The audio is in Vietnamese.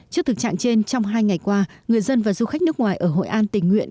trước thực trạng trên trong hai ngày qua người dân và du khách nước ngoài ở hội an tình nguyện